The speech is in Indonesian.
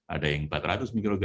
ada yang empat ratus mikrogra